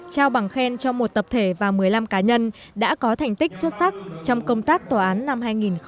trao bằng khen cho một tập thể và một mươi năm cá nhân đã có thành tích xuất sắc trong công tác tòa án năm hai nghìn một mươi chín